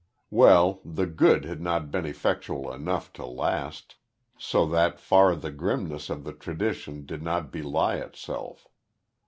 Well the "good" had not been effectual enough to last, so that far the grimness of the tradition did not belie itself.